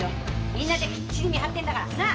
みんなできっちり見張ってんだからなっ？